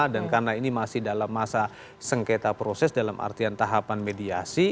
dan karena ini masih dalam masa sengketa proses dalam artian tahapan mediasi